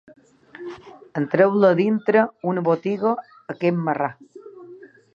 Entreu-lo a dintre una botiga aquest marrà!